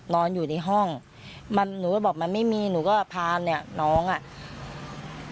นอนอยู่ในห้องมันหนูก็บอกมันไม่มีหนูก็พาเนี่ยน้องอ่ะ